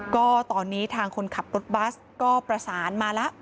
ก็ตอนนี้ทางคนขับรถบัสก็ประสานมาแล้ว